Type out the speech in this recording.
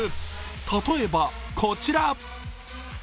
例えばこちら。